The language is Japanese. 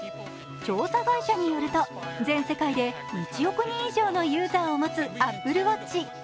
調査会社によると、全世界で１億人以上のユーザーを持つＡｐｐｌｅＷａｔｃｈ。